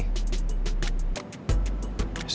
kalian mau cabut dari sini